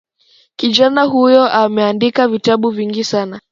Kijana huyo ameandika vitabu vingi sana